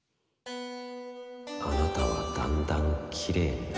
「あなたはだんだんきれいになる」